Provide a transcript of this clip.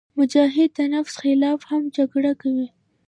مجاهد د نفس خلاف هم جګړه کوي.